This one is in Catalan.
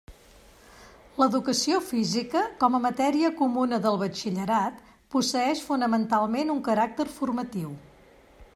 L'Educació Física, com a matèria comuna del Batxillerat, posseïx fonamentalment un caràcter formatiu.